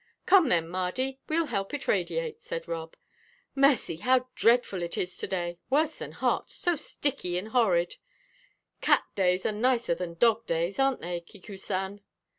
"Come, then, Mardy; we'll help it radiate," said Rob. "Mercy, how dreadful it is to day worse than hot so sticky and horrid! Cat days are nicer than dog days, aren't they, Kiku san?